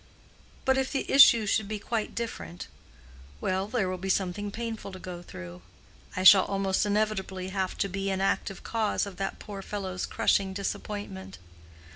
"But if the issue should be quite different?—well, there will be something painful to go through. I shall almost inevitably have to be an active cause of that poor fellow's crushing disappointment.